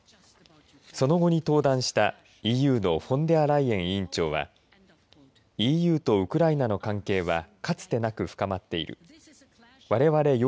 その後に登壇したＥＵのフォンデアライエン委員長はＥＵとウクライナの関係はかつてなく深まっているわれわれ